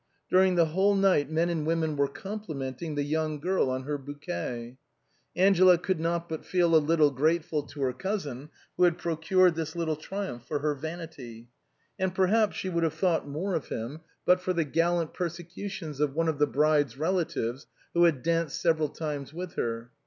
During the whole night men and women were com plimenting the young girl on her bouquet, Angela could not but feel a little grateful to her cousin who had pro cured this little triumph for her vanity; and perhaps she would have thought more of him but for the gallant perse cutions of one of the bride's relatives who had danced 112 THE BOHEMIANS OF THE LATIN QUARTEg. several times with her.